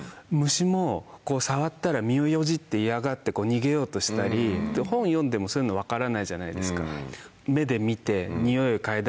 虫も触ったら身をよじって嫌がって逃げようとしたり本読んでもそういうの分からないじゃないですか。